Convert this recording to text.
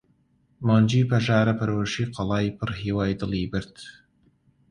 مۆنجی پەژارە پەرۆشی قەڵای پڕ هیوای دڵی برد!